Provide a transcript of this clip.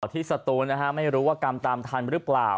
ที่สตูนนะฮะไม่รู้ว่ากรรมตามทันหรือเปล่า